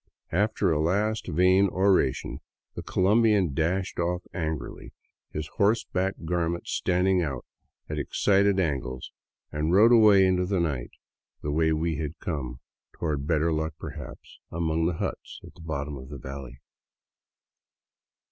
After a last vain oration the Colombian dashed off angrily, his horseback garments standing out at excited angles, and rode away into the night the way we had come, toward better luck perhaps among the huts at the bottom of the valley.